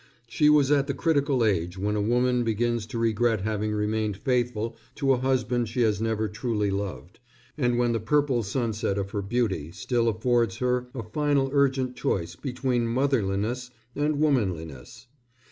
She was at the critical age when a woman begins to regret having remained faithful to a husband she has never truly loved, and when the purple sunset of her beauty still affords her a final urgent choice between motherliness and womanliness.